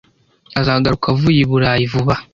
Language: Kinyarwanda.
Azagaruka avuye i Burayi vuba aha.